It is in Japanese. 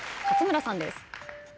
勝村さんです。